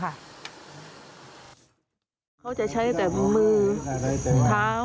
เขาจะใช้แบบมือเท้า